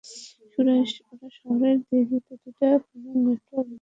সুরেশ, ওরা শহরের প্রতিটা ফোনের নেটওয়ার্ক জ্যাম করে দিয়েছে।